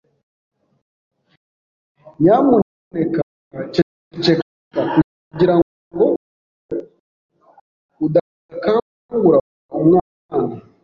Nyamuneka ceceka, kugirango udakangura umwana.